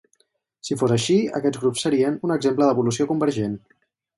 Si fos així, aquests grups serien un exemple d'evolució convergent.